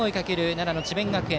奈良の智弁学園。